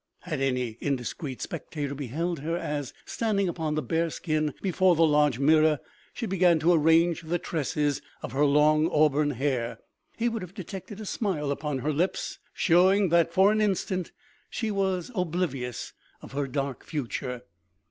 Had any indiscreet spectator beheld her as, standing upon the bear skin before the large mirror, she began to ar range the tresses of her long auburn hair, he would have detected a smile upon her lips, showing that, for an in stant, she was oblivious of her dark future.